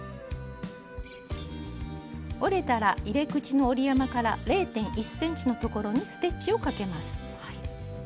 折れたら入れ口の折り山から０．１ｃｍのところにステッチをかけます。